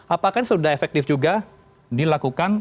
apakah sudah efektif juga dilakukan